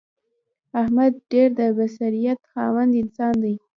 احمد ډېر د بصیرت خاوند انسان دی.